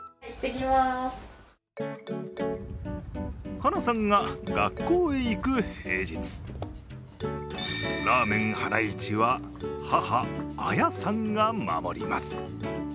晴名さんが学校へ行く平日らーめんはないちは母・綾さんが守ります。